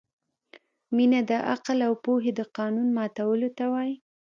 مینه د عقل او پوهې د قانون ماتولو ته وايي.